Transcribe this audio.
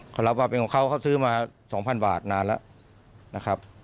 เขารับว่าเป็นของเขาเขาซื้อมา๒๐๐บาทนานแล้วนะครับ